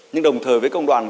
nhưng đồng thời với công đoàn